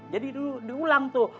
jadi diulang tuh